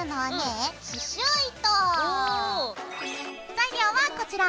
材料はこちら。